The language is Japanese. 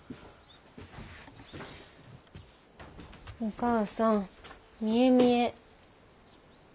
お母さん見え見え。